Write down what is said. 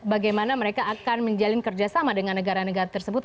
bagaimana mereka akan menjalin kerjasama dengan negara negara tersebut